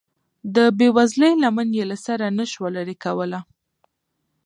د بې وزلۍ لمن یې له سره نشوه لرې کولی.